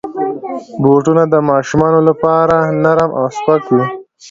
بوټونه د ماشومانو لپاره نرم او سپک وي.